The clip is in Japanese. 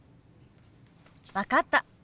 分かった。